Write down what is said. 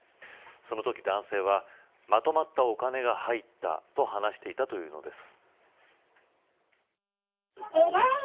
そのとき、男性はまとまったお金が入ったと話していたというのです。